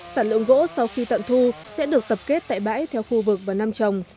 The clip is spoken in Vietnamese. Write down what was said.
sản lượng gỗ sau khi tận thu sẽ được tập kết tại bãi theo khu vực và năm trồng